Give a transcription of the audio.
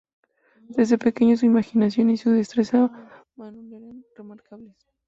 Desde pequeño, su imaginación y su destreza manual eran remarcables.